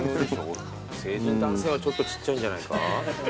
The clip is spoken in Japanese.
成人男性はちょっとちっちゃいんじゃないか？